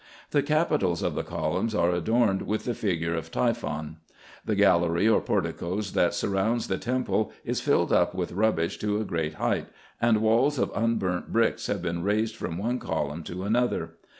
The capitals of the columns are adorned with the figure of Typhon. The gallery or portico, that surrounds the temple, is filled up with rubbish to a great height, and walls of unburnt bricks have been raised from one column to another.